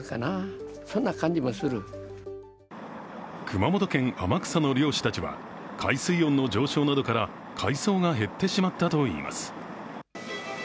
熊本県・天草の漁師たちは海水温の上昇などから海藻が減ってしまったといいます。